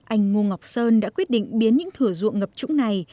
anh ngô ngọc sơn đã quyết định biến những thửa ruộng ngập trũng này